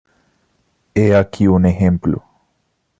He aquí un ejemplo.